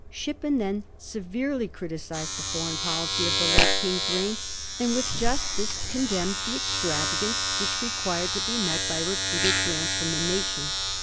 Shippen then severely criticised the foreign policy of the late King's reign, and with justice condemned the extra vagance which required to be met by repeated grants fi om the nation.